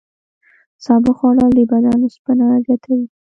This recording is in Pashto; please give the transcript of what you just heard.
سابه خوړل د بدن اوسپنه زیاتوي.